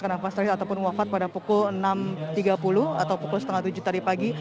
karena pas terakhir ataupun wafat pada pukul enam tiga puluh atau pukul setengah tujuh tadi pagi